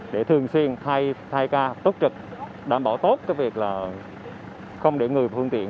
để thường xuyên thay ca tốt trực đảm bảo tốt cái việc là không để người phương tiện